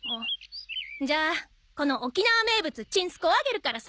じゃあこの沖縄名物ちんすこうをあげるからさ。